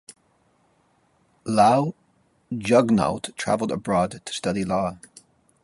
Lall Jugnauth travelled abroad to study law.